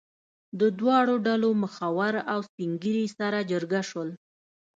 د دواړو ډلو مخور او سپین ږیري سره جرګه شول.